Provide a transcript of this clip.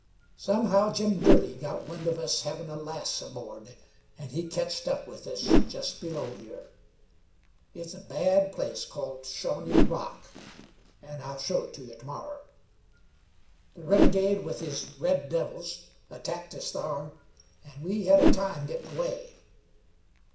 Somehow, Jim Girty got wind of us hevin' a lass aboard, an' he ketched up with us jest below here. It's a bad place, called Shawnee Rock, an' I'll show it to ye termorrer. The renegade, with his red devils, attacked us thar, an' we had a time gittin' away.